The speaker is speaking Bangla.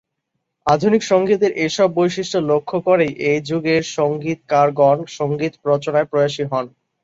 আধুনিক সঙ্গীতের এসব বৈশিষ্ট্য লক্ষ্য করেই এ যুগের সঙ্গীতকারগণ সঙ্গীত রচনায় প্রয়াসী হন।